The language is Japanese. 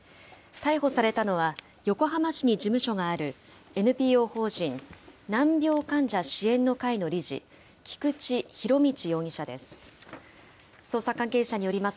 逮捕されたのは、横浜市に事務所がある、ＮＰＯ法人難病患者支援の会の理事、菊池仁達容疑者です。